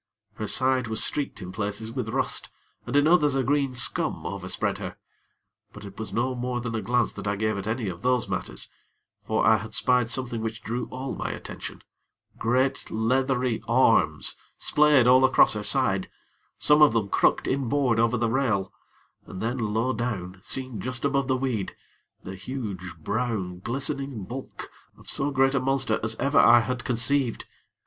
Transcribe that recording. Her side was streaked in places with rust, and in others a green scum overspread her; but it was no more than a glance that I gave at any of those matters; for I had spied something which drew all my attention great leathery arms splayed all across her side, some of them crooked inboard over the rail, and then, low down, seen just above the weed, the huge, brown, glistening bulk of so great a monster as ever I had conceived.